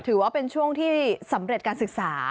ถือว่าเป็นช่วงที่สำเร็จการศึกษา